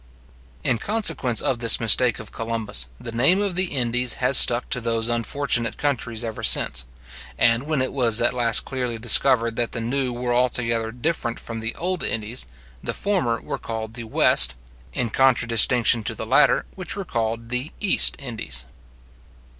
In consequence of this mistake of Columbus, the name of the Indies has stuck to those unfortunate countries ever since; and when it was at last clearly discovered that the new were altogether different from the old Indies, the former were called the West, in contradistinction to the latter, which were called the East Indies.